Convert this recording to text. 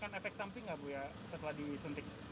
kan efek samping nggak bu ya setelah disentik